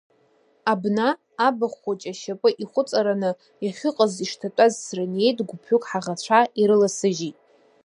Абна, абахә хәыҷы ашьапы ихәыҵараны иахьыҟаз ишҭатәаз срыниеит гәыԥҩык ҳаӷацәа, ирыласыжьит!